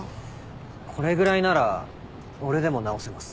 これぐらいなら俺でも直せます。